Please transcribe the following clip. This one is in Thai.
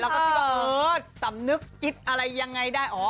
เราก็คิดว่าเออสำนึกกิดอะไรยังไงได้